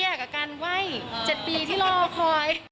เยอะก็๗ปีกับกันเว่ย๗ปีที่รอคอย